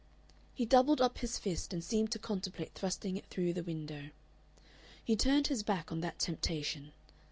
He doubled up his fist, and seemed to contemplate thrusting it through the window. He turned his back on that temptation.